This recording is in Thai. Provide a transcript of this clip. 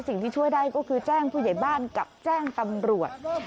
ช่วยได้ก็คือแจ้งผู้ใหญ่บ้านกับแจ้งตำรวจ